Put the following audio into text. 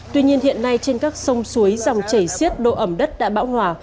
tuy nhiên hiện nay trên các sông suối dòng chảy xiết độ ẩm đất đã bão hòa